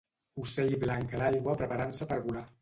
Ocell blanc a l'aigua preparant-se per volar.